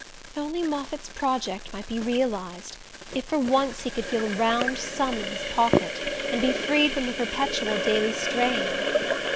If only Moffatt's project might be realized if for once he could feel a round sum in his pocket, and be freed from the perpetual daily strain!